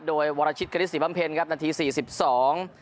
โดยวรชิตกฤษศรีพัมเภนครับนาทีสี่สิบสอง